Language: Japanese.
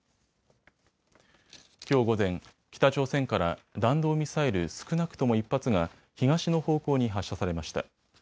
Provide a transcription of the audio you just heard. きょう午前、北朝鮮から弾道ミサイル少なくとも１発が東の方向に発射されました。